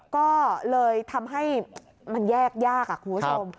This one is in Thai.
ก็เลยทำให้มันแยกยากคุณผู้ชม